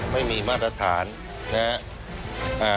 ไม่มีมาตรฐานนะครับ